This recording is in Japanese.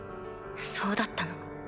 そうだったの。